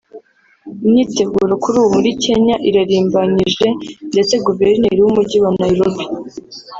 Imyiteguro kuri ubu muri Kenya irarimbanyije ndetse Guverineri w’Umujyi wa Nairobi